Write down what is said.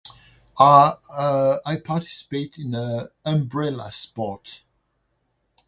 Ah! I participate in a umbrella sport.